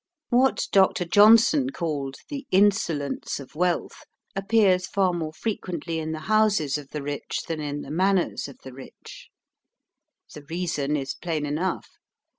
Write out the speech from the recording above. What Dr. Johnson called "the insolence of wealth" appears far more frequently in the houses of the rich than in the manners of the rich. The reason is plain enough.